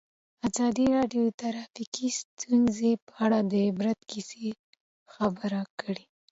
ازادي راډیو د ټرافیکي ستونزې په اړه د عبرت کیسې خبر کړي.